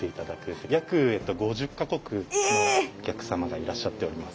約５０か国のお客様がいらっしゃっております。